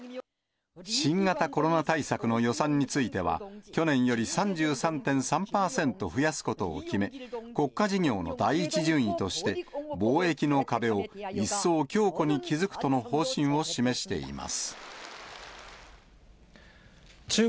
新型コロナ対策の予算については、去年より３３．３％増やすことを決め、国家事業の第１順位として、防疫の壁を一層強固に築くとの方針を示しています。